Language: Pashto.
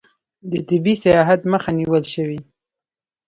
د طبي سیاحت مخه نیول شوې؟